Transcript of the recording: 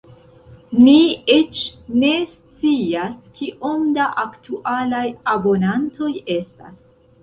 Ni eĉ ne scias kiom da aktualaj abonantoj estas.